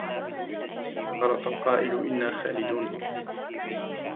غلط القائل إنا خالدون